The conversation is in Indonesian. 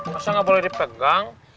masa gak boleh dipegang